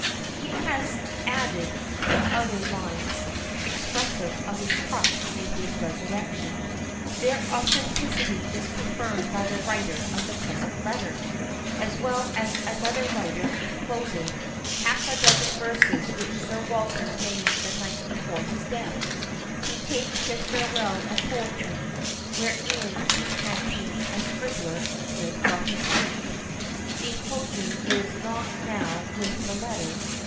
He has added two other lines expressive of his trust in his resurrection. Their authenticity is confirmed by the writer of the present letter, as well as another writer, enclosing "half a dozen verses, which Sir Walter made the night before his death, to take his farewell of poetry, wherein he had been a scribbler even from his youth." The enclosure is not now with the letter.